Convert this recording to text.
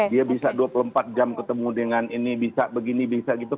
dia bisa dua puluh empat jam ketemu dengan ini bisa begini bisa gitu